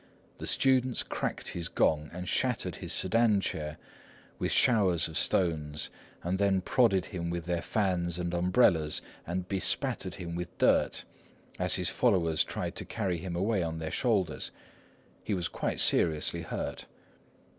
The students cracked his gong, and shattered his sedan chair with showers of stones, and then prodded him with their fans and umbrellas, and bespattered him with dirt as his followers tried to carry him away on their shoulders. He was quite seriously hurt.